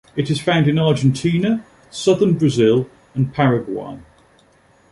It is found in Argentina, southern Brazil and Paraguay.